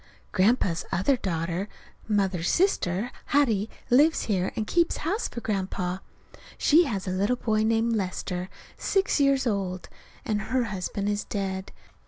Grandpa's other daughter, Mother's sister, Hattie, lives here and keeps house for Grandpa. She has a little boy named Lester, six years old; and her husband is dead.